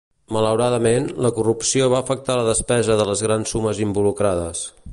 Malauradament, la corrupció va afectar la despesa de les grans sumes involucrades.